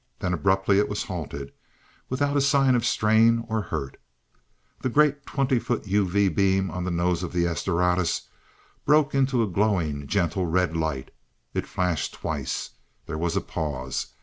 Then abruptly it was halted, without a sign of strain or hurt. The great twenty foot UV beam on the nose of the "S Doradus" broke into glowing gentle red light. It flashed twice. There was a pause.